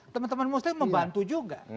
teman teman muslim membantu juga